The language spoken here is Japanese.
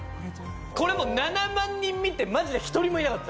これ７万人見てマジで１人もいなかった？